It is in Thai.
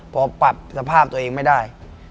พอปรับสภาพตัวเองไม่ได้